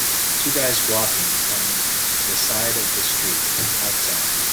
two guys walking, on the side of the street, outside.